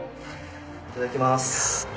いただきます。